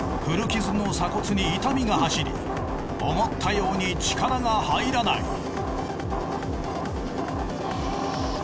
古傷の鎖骨に痛みが走り思ったように力が入らない。